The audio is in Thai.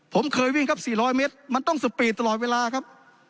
ผมเคยวิ่งครับ๔๐๐เมตรมันต้องสปีดตลอดเวลาครับ